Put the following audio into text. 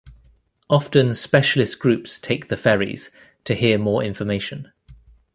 Often specialist groups take the ferries to hear more information.